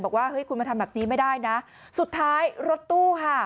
บอกว่าเฮ้ยคุณมาทำแบบนี้ไม่ได้นะสุดท้ายรถตู้ค่ะ